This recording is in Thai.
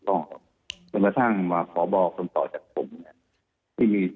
สนุนโดยน้ำดื่มสิง